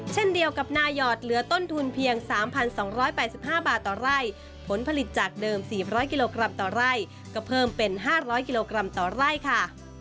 เช่นเดียวกับนายอดเหลือต้นทุนเพียง๓๒๘๕บาทต่อไร่ผลผลิตจากเดิม๔๐๐กิโลกรัมต่อไร่ก็เพิ่มเป็น๕๐๐กิโลกรัมต่อไร่ค่ะ